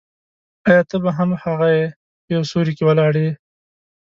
آیا ته به هم هغه یې په یو سیوري کې ولاړ یې.